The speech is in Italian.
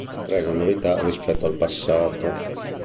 Tre le novità rispetto al passato.